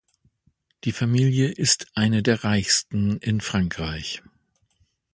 Die Familie ist eine der reichsten in Frankreich.